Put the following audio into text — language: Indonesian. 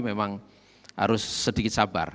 memang harus sedikit sabar